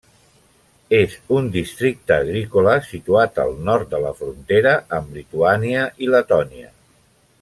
És un districte agrícola, situat al nord de la frontera amb Lituània i Letònia.